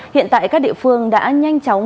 hiện tại các địa phương đã nhanh chóng